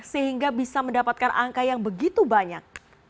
sehingga bisa mendapatkan angka yang begitu banyak